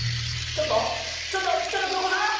ちょっとちょっとくろごさん